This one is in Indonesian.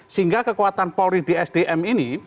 sehingga kekuatan polri di sdm ini